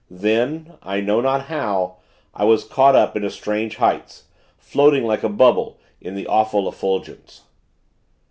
Then I know not how I was caught up into strange heights floating like a bubble in the awful effulgence.